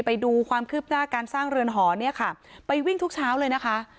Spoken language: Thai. ไปดูความคืบหน้าการสร้างเรือนหอเนี่ยค่ะไปวิ่งทุกเช้าเลยนะคะ